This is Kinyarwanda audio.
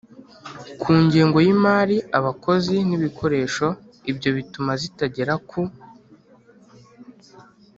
ku ngengo y imari abakozi n ibikoresho ibyo bituma zitagera ku